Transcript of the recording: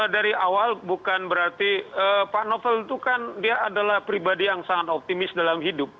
dari awal bukan berarti pak novel itu kan dia adalah pribadi yang sangat optimis dalam hidup